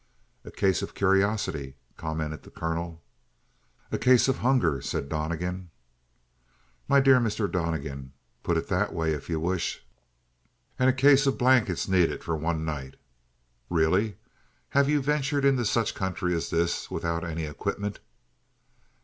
"A case of curiosity," commented the colonel. "A case of hunger," said Donnegan. "My dear Mr. Donnegan, put it that way if you wish!" "And a case of blankets needed for one night." "Really? Have you ventured into such a country as this without any equipment?"